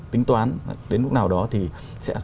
tính toán đến lúc nào đó thì sẽ